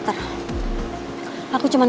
terima kasih mas